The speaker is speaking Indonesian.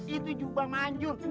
itu jubah manjur